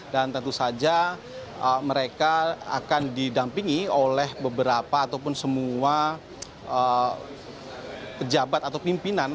dan tentu saja mereka akan didampingi oleh beberapa ataupun semua pejabat atau pimpinan